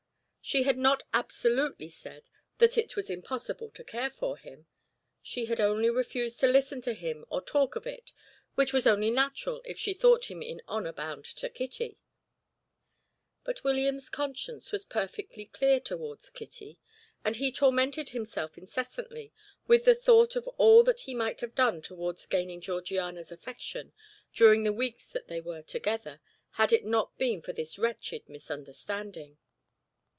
She had not absolutely said that it was impossible to care for him; she had only refused to listen to him or talk of it, which was only natural if she thought him in honour bound to Kitty; but William's conscience was perfectly clear towards Kitty, and he tormented himself incessantly with the thought of all that he might have done towards gaining Georgiana's affection, during the weeks that they were together, had it not been for this wretched misunderstanding.